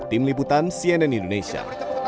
tim liputan cnn indonesia